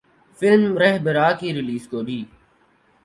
film ’Rahbara‘ کی release کو بھی